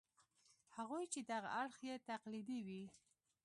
هغوی چې دغه اړخ یې تقلیدي وي.